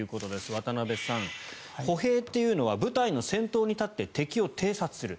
渡部さん、歩兵というのは部隊の先頭に立って敵を偵察する。